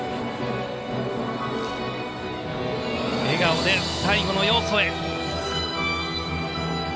笑顔で最後の要素へ。